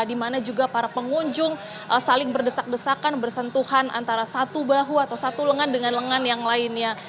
di mana juga para pengunjung saling berdesak desakan bersentuhan antara satu bahu atau satu lengan dengan lengan yang lainnya